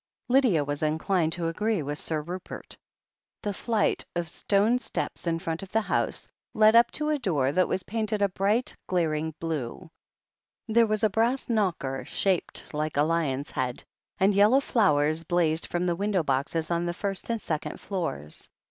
Lydia was inclined to agree with Sir Rupert. The flight of stone steps in front of the house led up to a door that was painted a bright, glaring blue; there was a brass knocker shaped like a lion's head, and yellow flowers blazed from the window boxes on the first and second floors.